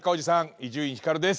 伊集院光です。